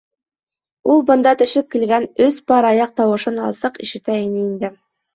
Ул бында төшөп килгән өс пар аяҡ тауышын асыҡ ишетә ине инде.